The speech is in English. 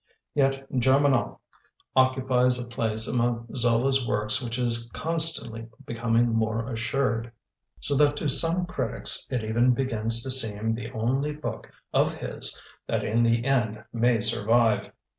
Yet Germinal occupies a place among Zola's works which is constantly becoming more assured, so that to some critics it even begins to seem the only book of his that in the end may survive.